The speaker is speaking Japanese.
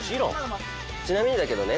ちなみにだけどね。